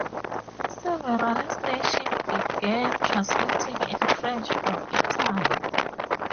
Several stations began transmitting in French from Italy.